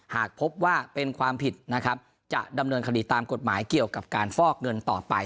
หากพบว่าเป็นความผิดนะครับจะดำเนินคดีตามกฎหมายเกี่ยวกับการฟอกเงินต่อไป